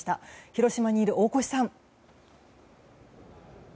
広島にいる大越さん。